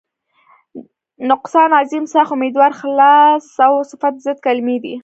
نقصان، عظیم، سخت، امیدوار، خلاص او صفت ضد کلمې دي.